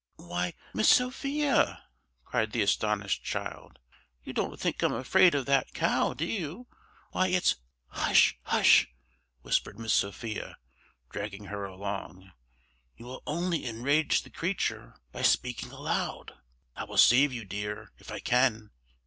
"Why, Miss Sophia!" cried the astonished child, "you don't think I'm afraid of that cow, do you? Why, it's—" "Hush! hush!" whispered Miss Sophia, dragging her along, "you will only enrage the creature by speaking aloud. I will save you, dear, if I can!